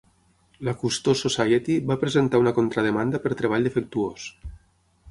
La Cousteau Society va presentar una contrademanda per treball defectuós.